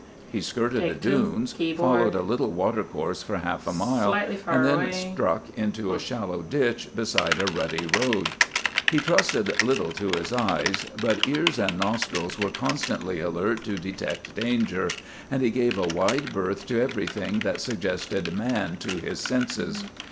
He skirted the dunes, followed a little watercourse for half a mile, and then struck into a shallow ditch beside a rutty road. He trusted little to his eyes, but ears and nostrils were constantly alert to detect danger, and he gave a wide berth to everything that suggested man to his senses.